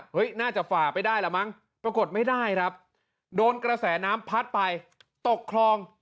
น่าจะฝ่าไปได้ละมั้งปรากฏไม่ได้ครับโดนกระแสน้ำพัดไปตกคลอง